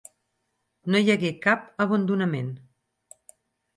No hi hagué cap abandonament.